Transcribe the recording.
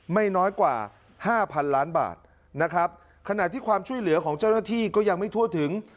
ไม่น้อยกว่าห้าพันล้านบาทนะครับขณะที่ความช่วยเหลือของเจ้าหน้าที่ก็ยังไม่ทั่วถึง